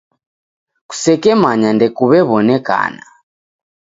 Kusekemanya ndekuw'ew'onekana.